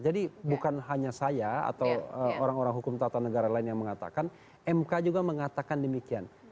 jadi bukan hanya saya atau orang orang hukum tata negara lain yang mengatakan mk juga mengatakan demikian